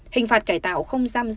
hình phạt cải tạo không được tham gia